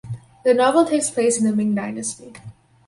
The novel takes place in the Ming dynasty.